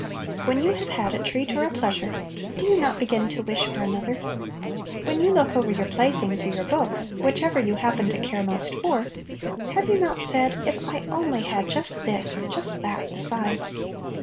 WHEN you have had a treat or a pleasure, do not you begin to wish for another ? When you look over your playthings or your books (which ever you happen to care most for), have you not said, " If I only had just this, or just that besides"?